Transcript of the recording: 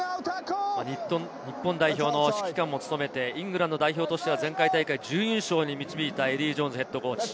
日本代表の指揮官を務めて、イングランド代表としては前回大会、準優勝に導いたエディー・ジョーンズＨＣ。